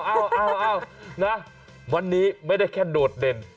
เอานะวันนี้ไม่ได้แค่โดดเด่น